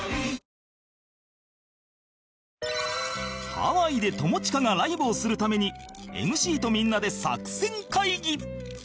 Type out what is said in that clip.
ハワイで友近がライブをするために ＭＣ とみんなで作戦会議！